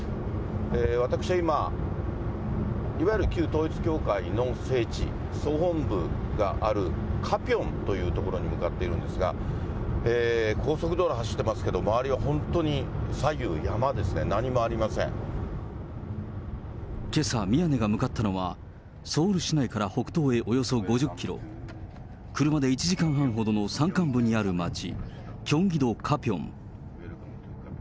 私は今、いわゆる旧統一教会の聖地、総本部がある、カピョンという所に向かっているんですが、高速道路を走ってますけれども、周りは左右、山ですね、何もありけさ、宮根が向かったのは、ソウル市内から北東へおよそ５０キロ、車で１時間半ほどの山間部にある町、キョンギ道カピョン。